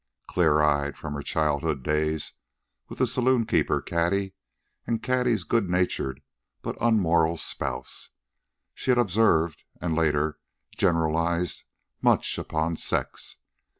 Clear eyed, from her childhood days with the saloonkeeper Cady and Cady's good natured but unmoral spouse, she had observed, and, later, generalized much upon sex.